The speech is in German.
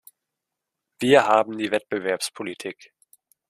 Wir haben die Wettbewerbspolitik.